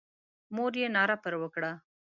مور یې ناره پر وکړه.